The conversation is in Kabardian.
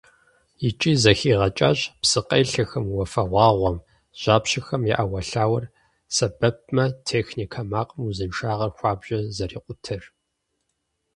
ИкӀи зэхигъэкӀащ псыкъелъэхэм, уафэгъуагъуэм, жьапщэхэм я Ӏэуэлъауэр сэбэпмэ, техникэ макъым узыншагъэр хуабжьу зэрикъутэр.